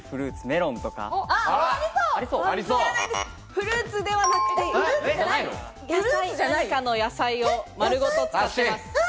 フルーツではなくて、何かの野菜を丸ごと使ってます。